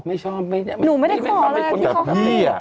ไม่ชอบหนูไม่ได้ขอเลยพี่เขาให้